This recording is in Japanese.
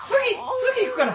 次行くから！